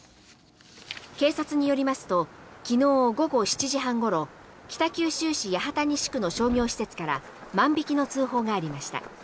警察によりますと昨日午後７時半ごろ北九州市八幡西区の商業施設から万引きの通報がありました。